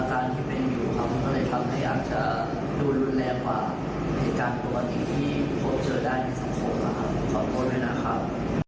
ขอโทษด้วยนะครับ